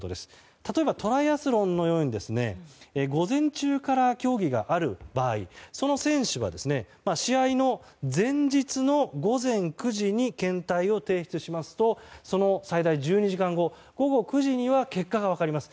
例えば、トライアスロンのように午前中から競技がある場合その選手は試合の前日の午前９時に検体を提出しますとその最大１２時間後午後９時には結果が分かります。